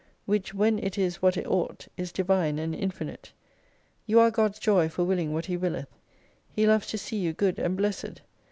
Which when it is what it ought is Divine and Infinite. You are God's joy for willing what He willeth. He loves to see you good and blessed.